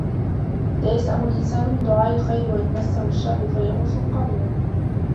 لا يَسأَمُ الإِنسانُ مِن دُعاءِ الخَيرِ وَإِن مَسَّهُ الشَّرُّ فَيَئوسٌ قَنوطٌ